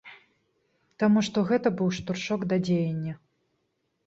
Таму што гэта быў штуршок да дзеяння.